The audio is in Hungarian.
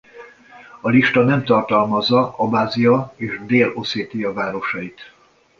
A lista nem tartalmazza Abházia és Dél-Oszétia városait.